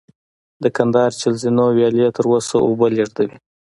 د کندهار چل زینو ویالې تر اوسه اوبه لېږدوي